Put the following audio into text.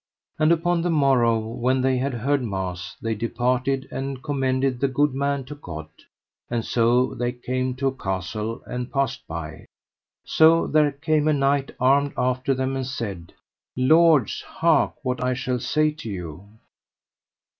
And upon the morrow when they had heard mass they departed and commended the good man to God: and so they came to a castle and passed by. So there came a knight armed after them and said: Lords, hark what I shall say to you.